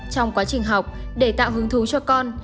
trong quá trình học để tạo hứng thú cho con